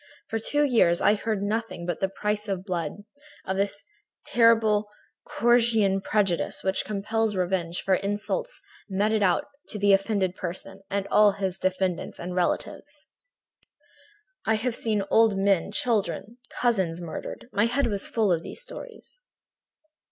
For two years I heard of nothing but the price of blood, of this terrible Corsican prejudice which compels revenge for insults meted out to the offending person and all his descendants and relatives. I had seen old men, children, cousins murdered; my head was full of these stories.